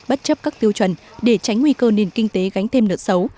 bất chấp các tiêu chuẩn để tránh nguy cơ nền kinh tế gánh thêm nợ xấu